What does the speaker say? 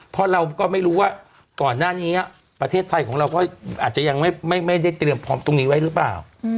เพราะเราก็ไม่รู้ว่าก่อนหน้านี้ประเทศไทยของเราก็อาจจะยังไม่ได้เตรียมพร้อมตรงนี้ไว้หรือเปล่า